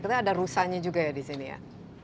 tapi ada rusanya juga ya disini ya